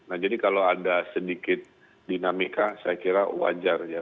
nah jadi kalau ada sedikit dinamika saya kira wajar ya